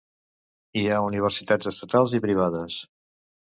Hi ha universitats estatals i privades.